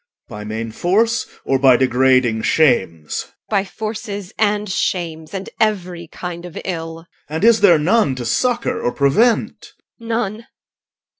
by main force, or by degrading shames? EL. By force and shames, and every kind of evil. OR. And is there none to succour or prevent? EL. None.